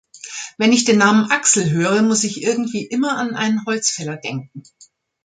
Wenn ich den Namen Axel höre, muss ich irgendwie immer an einen Holzfäller denken.